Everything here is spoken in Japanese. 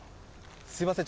すみません。